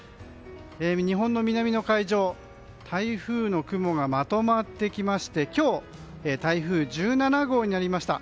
日本の南の海上台風の雲がまとまってきまして今日、台風１７号になりました。